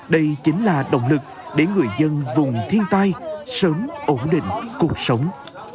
đây chính là động lực để người dân vùng thiên tai sớm ổn định cuộc sống